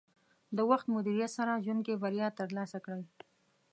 د وخت مدیریت سره ژوند کې بریا ترلاسه کړئ.